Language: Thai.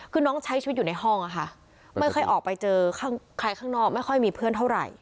คือน้องใช้ชีวิตอยู่ในห้องอะค่ะไม่ค่อยออกไปเจอใครข้างนอกไม่ค่อยมีเพื่อนเท่าไหร่